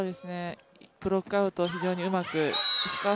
ブロックアウトを非常にうまく。